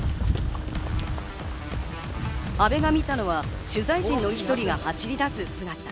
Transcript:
阿部が見たのは取材陣の１人が走り出す姿。